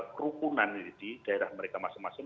kerukunan di daerah mereka masing masing